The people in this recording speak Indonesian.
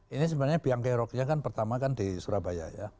ini sebenarnya bianchi herocchia kan pertama kan di surabaya ya yang dianggap rasis gitu